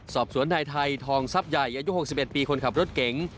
สอบสวนนายไทยทองทรัพย์ใหญ่อายุ๖๑ปีคนขับรถเก๋ง